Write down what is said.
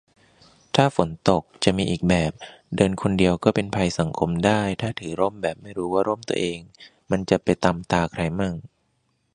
ถ้าฝนตก จะมีอีกแบบ เดินคนเดียวก็เป็นภัยสังคมได้ ถ้าถือร่มแบบไม่รู้ว่าร่มตัวเองมันจะไปตำตาใครมั่ง